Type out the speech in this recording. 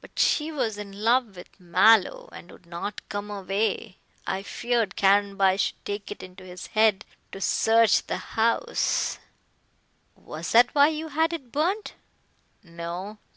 But she was in love with Mallow, and would not come away. I feared Caranby should take it into his head to search the house " "Was that why you had it burnt?" "No.